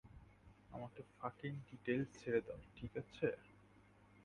আমাকে fucking details ছেড়ে দাও, ঠিক আছে?